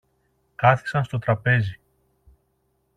Κάθισαν στο τραπέζι.